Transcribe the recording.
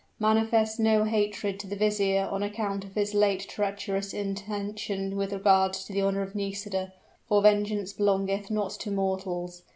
Manifest no hatred to the vizier on account of his late treacherous intention with regard to the honor of Nisida: for vengeance belongeth not to mortals.